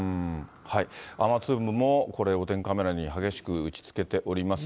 雨粒もこれ、お天気カメラに激しく打ちつけております。